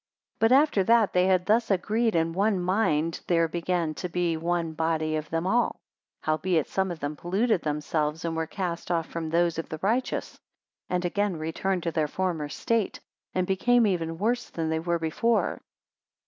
169 But after that they had thus agreed in one mind, there began to be one body of them all; howbeit some of them polluted themselves, and were cast off from those of the righteous, and again returned to their former state, and became even worse than they were before.